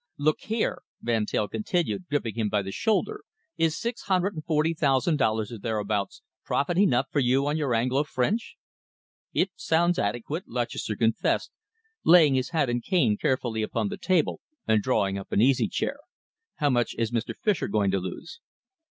"Look here," Van Teyl continued, gripping him by the shoulder, "is six hundred and forty thousand dollars, or thereabouts, profit enough for you on your Anglo French?" "It sounds adequate," Lutchester confessed, laying his hat and cane carefully upon the table and drawing up an easy chair. "How much is Mr. Fischer going to lose?"